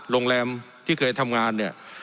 โรงแรมที่เคยทำงานเนี่ย